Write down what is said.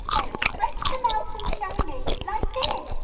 "Then stretch them out and show me, like this!"